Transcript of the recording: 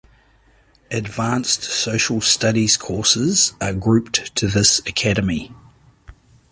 Advanced social studies courses are grouped to this academy.